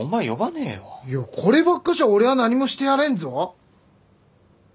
いやこればっかしは俺は何もしてやれんぞ。